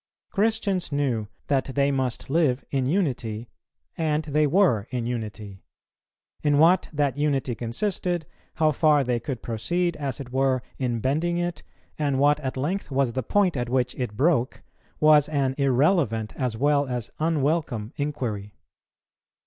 Christians knew that they must live in unity, and they were in unity; in what that unity consisted, how far they could proceed, as it were, in bending it, and what at length was the point at which it broke, was an irrelevant as well as unwelcome inquiry.